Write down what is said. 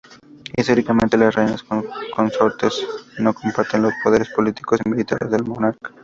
Históricamente, las reinas consortes no comparten los poderes políticos y militares del monarca.